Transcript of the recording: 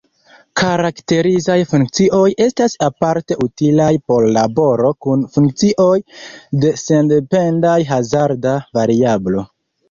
Karakterizaj funkcioj estas aparte utilaj por laboro kun funkcioj de sendependaj hazarda variablo.